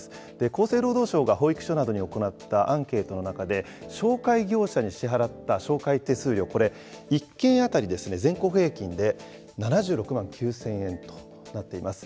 厚生労働省が保育所などに行ったアンケートの中で、紹介業者に支払った紹介手数料、これ、１件当たり全国平均で７６万９０００円となっています。